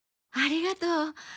ありがとう。